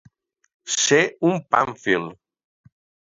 Ser un pàmfil.